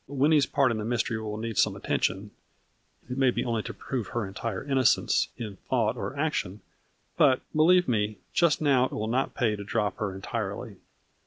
Winnie's part in the mystery will need some attention, it may be only to prove her entire innocence, in thought or action, but, believe me, just now it will not pay to drop her entirely.